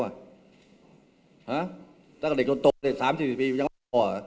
ฮะตั้งแต่เด็กจนโตเสร็จ๓๐๔๐ปียังว่า